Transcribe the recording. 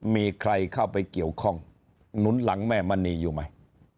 มีใครเข้าไปเกี่ยวข้องหนุนหลังแม่มณีอยู่ไหม